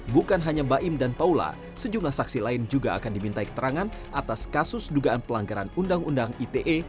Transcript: bukan hanya baim dan paula sejumlah saksi lain juga akan diminta keterangan atas kasus dugaan pelanggaran undang undang ite